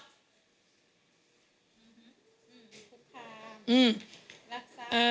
และก็